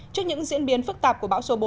trước những diễn biến phức tạp của bão số bốn